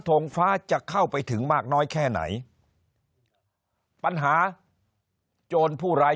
งฟ้าจะเข้าไปถึงมากน้อยแค่ไหนปัญหาโจรผู้ร้าย